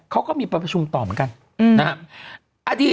เขาก็มีประชุมต่อเหมือนกัน